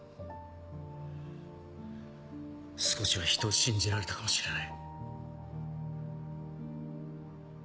少しは人を信じられたかもしれない。